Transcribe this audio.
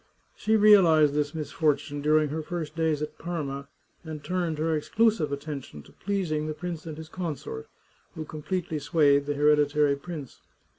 She realized this misfortune during her first days at Parma, and turned her exclusive attention to pleasing the prince and his consort, who completely swayed the hereditary prince.